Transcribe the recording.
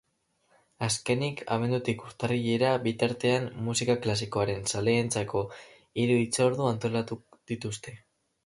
Azkenik, abendutik urtarrilera bitartean, musika klasikoaren zaleentzako hiru hitzordu antolatu dituzte.